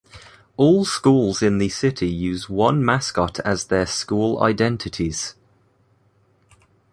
All schools in the city use one mascot as their school identities.